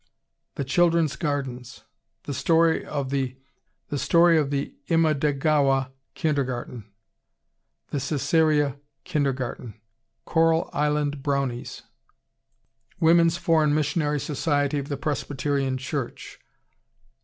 The Children's Gardens The Story of the Imadegawa Kindergarten The Cesarea Kindergarten Coral Island Brownies Ling Te's Letter Woman's Foreign Missionary Society of the Presbyterian Church.